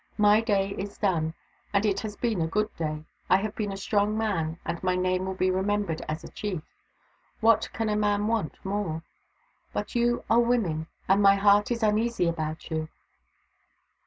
My day is done, and it has been a good day : I have been a strong man and my name will be remembered as a chief. What can a man want more ? But you are women, and my heart is uneasy about you."